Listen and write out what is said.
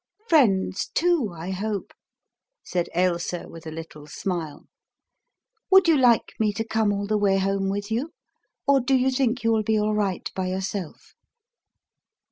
"Friends, too, I hope," said Ailsa with a little smile. "Would you like me to come all the way home with you, or do you think you will be all right by yourself."